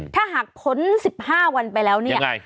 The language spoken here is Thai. ถ้าหากพ้น๑๕วันไปแล้วเนี่ย